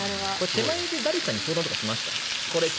手前で誰かに相談しました？